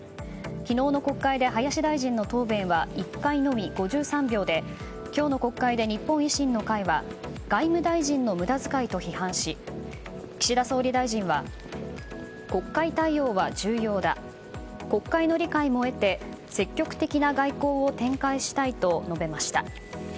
昨日の国会で林大臣の答弁は１回のみの５３秒で今日の国会で日本維新の会は外務大臣の無駄遣いと批判し岸田総理大臣は国会対応は重要だ国会の理解も得て積極的な外交を展開したいと述べました。